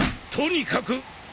とにかく！